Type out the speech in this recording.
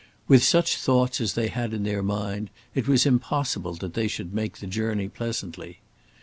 With such thoughts as they had in their mind it was impossible that they should make the journey pleasantly.